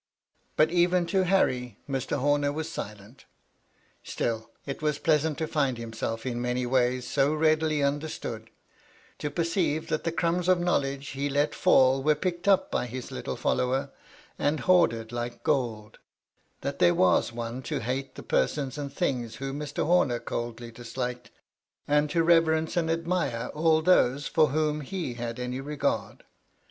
But even to Harry Mr. Homer was silent Still, it was pleasant to find himself in many ways so readily understood ; to perceive that the crumbs of knowledge he let fall were picked up by his Httle follower, and hoarded like gold; that here was one to hate the persons and things whom Mr. Homer coldly disliked, and to reverence and admire all those for whom he had any regard.